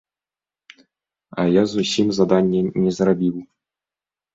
А я зусім заданне не зрабіў.